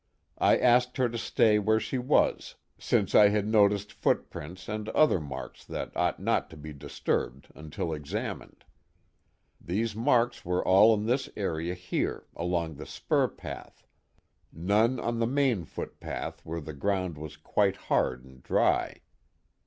I asked her to stay where she was, since I had noticed footprints and other marks that ought not to be disturbed until examined. These marks were all in this area here, along the spur path; none on the main footpath where the ground was quite hard and dry."